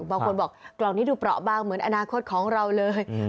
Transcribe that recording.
บางคนบอกกล่องนี้ดูเปราะบางเหมือนอนาคตของเราเลย